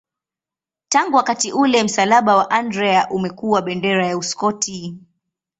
Tangu wakati ule msalaba wa Andrea umekuwa bendera ya Uskoti.